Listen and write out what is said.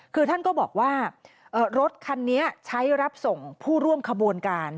คือท่านก็บอกว่ารถคันนี้ใช้รับส่งผู้ร่วมขบวนการ